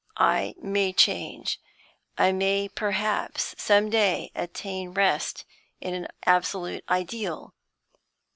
I may change; I may perhaps some day attain rest in an absolute ideal.